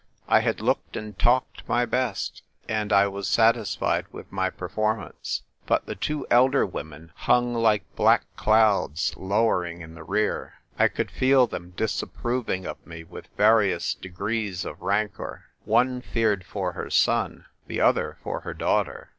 I had looked and talked my best, and I was satisfied with my per formance. But the two elder women hung like black clouds lowering in the rear ; 1 could feel them disapproving of me with various degrees of rancour. One feared for her son, the other for her daughter.